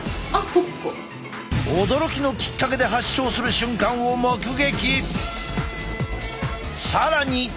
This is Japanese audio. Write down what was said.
驚きのきっかけで発症する瞬間を目撃！